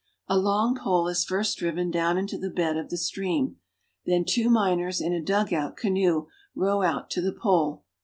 A long pole is first driven down into the bed of the stream. Then two miners in a dugout canoe row out to the pole.